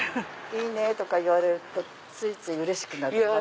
いいね！とか言われるとついついうれしくなって。